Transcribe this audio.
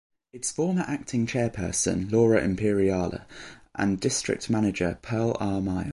Its former acting chairperson Laura Imperiale, and district manager Pearl R. Miles.